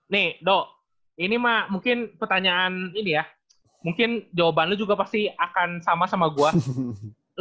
nih dok ini mah mungkin pertanyaan ini ya mungkin jawaban lu juga pasti akan sama sama gue